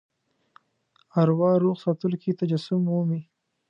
اروا روغ ساتلو کې تجسم مومي.